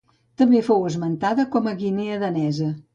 També fou esmentada com Guinea Danesa.